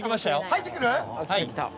入ってくる？